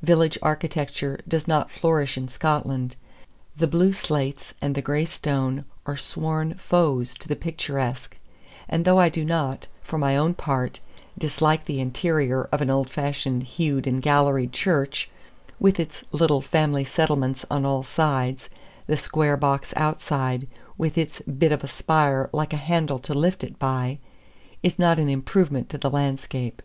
Village architecture does not flourish in Scotland. The blue slates and the gray stone are sworn foes to the picturesque; and though I do not, for my own part, dislike the interior of an old fashioned hewed and galleried church, with its little family settlements on all sides, the square box outside, with its bit of a spire like a handle to lift it by, is not an improvement to the landscape.